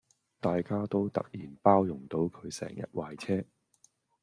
大家都突然包容到佢成日壞車